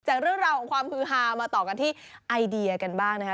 จากเรื่องราวของความฮือฮามาต่อกันที่ไอเดียกันบ้างนะคะ